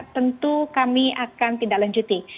tentu kami akan tindak lanjuti